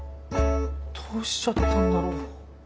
どうしちゃったんだろ？